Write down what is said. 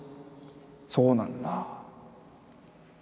そうなんだ。